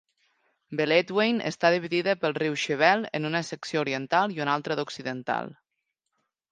Beledweyne està dividida pel riu Shebelle en una secció oriental i una altra d'occidental.